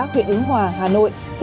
huyện ứng hòa hà nội